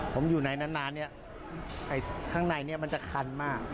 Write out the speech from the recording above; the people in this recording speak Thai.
ผมอยู่ไหนนานเนี่ยข้างในเนี่ยมันจะคันมาก